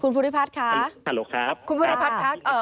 คุณพูดิพัทคลาสอ่าครับคุณพูดิพัทคะเอ่อ